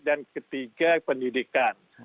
dan ketiga pendidikan